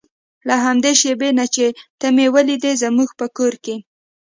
له همدې شېبې نه چې ته مې ولیدې زموږ په کور کې.